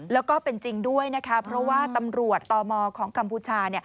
แล้วก็เป็นจริงด้วยนะคะเพราะว่าตำรวจตมของกัมพูชา